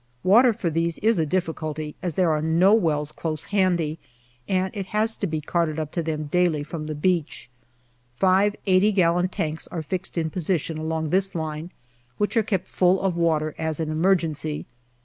Water for these is a difficulty, as there are no wells close handy and it has to be carted up to them daily from the beach. Five 8o gallon tanks are fixed in position along this line, which are kept full of water as an emergency.